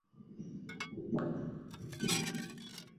他的言论在印度引发强烈不满。